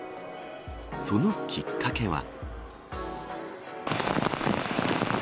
そのきっかけは。